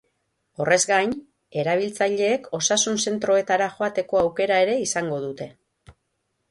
Horrez gain, erabiltzaileek osasun zentroetara joateko aukera ere izango dute.